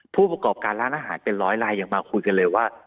ผู้ประกอบการร้านอาหารเป็นร้อยลายยังมาคุยกันเลยว่า